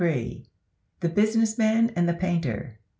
THE BUSINESS MAN AND THE PAINTER.